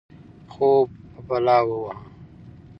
خوب په بلا ووهه.